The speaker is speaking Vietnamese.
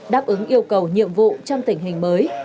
đáp ứng yêu cầu nhiệm vụ trong tình hình mới